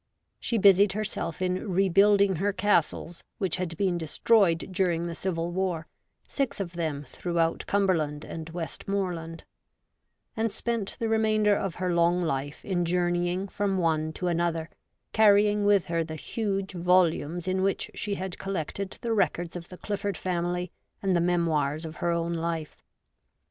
She busied herself in rebuilding her castles, which had been destroyed during the Civil War, six of them throughout Cumberland and West moreland ; and spent the remainder of her long life in journeying from one to another, carrying with her the huge volumes in which she had collected the records of the Clifford family and the memoirs of her own life.